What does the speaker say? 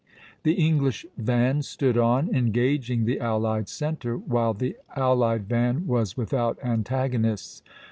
The English van stood on, engaging the allied centre, while the allied van was without antagonists.